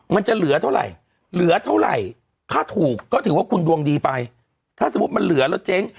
มันจะเหลือเท่าไหร่เหลือเท่าไหร่ถ้าถูกก็ถือว่าคุณดวงดีไปถ้าสมมุติมันเหลือแล้วเจ๊ง